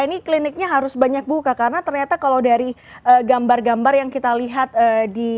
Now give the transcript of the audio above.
ini kliniknya harus banyak buka karena ternyata kalau dari gambar gambar yang kita lihat di